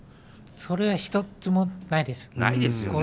それは一つもないです。